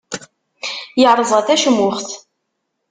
Yerẓa tacmuxt.